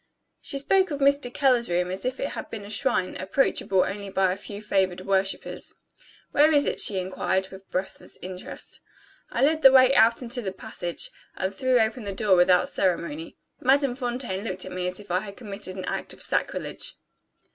She spoke of "Mr. Keller's room" as if it had been a shrine, approachable only by a few favored worshippers. "Where is it?" she inquired, with breathless interest. I led the way out into the passage, and threw open the door without ceremony. Madame Fontaine looked at me as if I had committed an act of sacrilege.